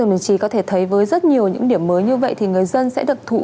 vâng thưa đồng chí có thể thấy với rất nhiều những điểm mới như vậy thì người dân sẽ được thụ hưởng